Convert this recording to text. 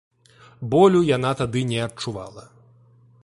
Болю яна тады не адчувала.